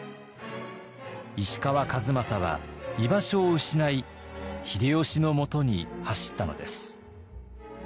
石川数正は居場所を失い秀吉のもとに走ったのです。